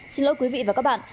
xin lỗi quý vị và các bạn